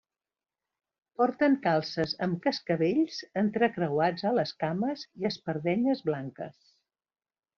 Porten calces amb cascavells entrecreuats a les cames i espardenyes blanques.